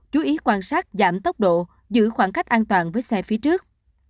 chú ý quan sát giảm tốc độ giữ khoảng cách an toàn với xe phía trước